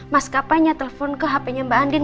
mas kapainya telepon ke hpnya mbak andin